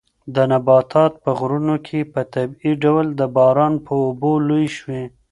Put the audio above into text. دا نباتات په غرونو کې په طبیعي ډول د باران په اوبو لوی شوي.